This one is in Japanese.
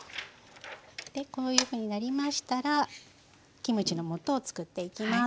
こういうふうになりましたらキムチのもとを作っていきます。